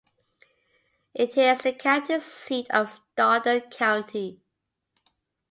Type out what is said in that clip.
It is the county seat of Stoddard County.